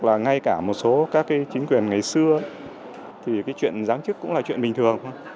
và ngay cả một số các cái chính quyền ngày xưa thì cái chuyện giáng chức cũng là chuyện bình thường